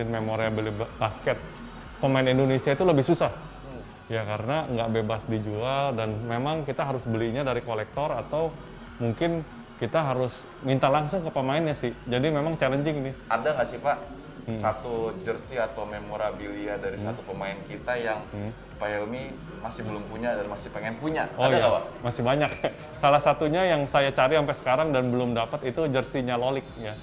masih banyak salah satunya yang saya cari sampai sekarang dan belum dapat itu jersinya lolik